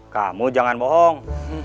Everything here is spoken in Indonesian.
kamu jangan bohong